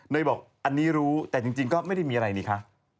โดยบอกอันนี้รู้แต่จริงก็ไม่ได้มีอะไรนี่คะ